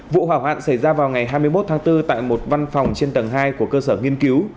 vụ hỏa hoạn xảy ra vào ngày hai mươi một tháng bốn tại một văn phòng trên tầng hai của cơ sở nghiên cứu